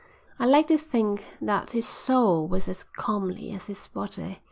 I like to think that his soul was as comely as his body.